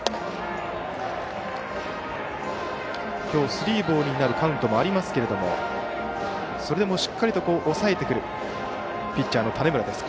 今日、スリーボールになるカウントもありますがそれでもしっかり抑えてくるピッチャーの種村。